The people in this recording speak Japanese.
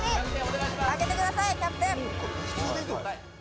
開けてくださいキャプテン！